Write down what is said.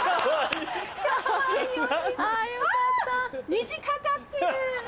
虹かかってる！